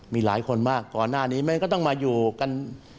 มีหลายคนมากก่อนหน้านี้มันก็ต้องมาอยู่กัน